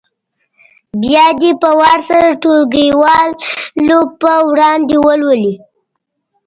بیا دې په وار سره ټولګیوالو په وړاندې ولولي.